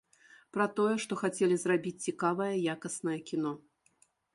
Пра тое, што хацелі зрабіць цікавае якаснае кіно.